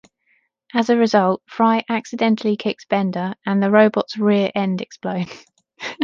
As a result, Fry accidentally kicks Bender, and the robot's rear end explodes.